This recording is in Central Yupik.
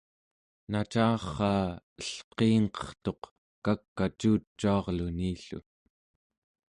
nacarraa elqiingqertuq kak'acucuarluni-llu